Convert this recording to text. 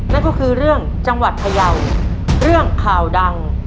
นั่นก็คือเรื่องจังหวัดพยาวเรื่องข่าวดัง